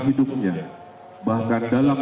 hidupnya bahkan dalam